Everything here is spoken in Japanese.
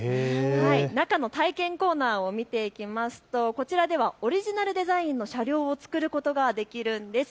中の体験コーナーを見ていきますと、こちらではオリジナルデザインの車両を作ることができるんです。